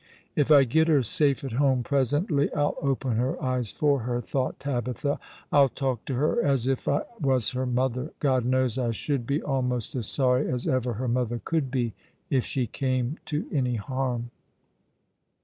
" If I get her safe at home presently, I'll open her eyes for her," thought Tabitha. " I'll talk to her as if I was her mother. God knows I should be almost as sorry as ever her mother could be if she came to any harm."